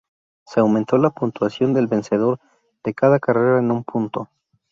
Se aumentó la puntuación del vencedor de cada carrera en un punto.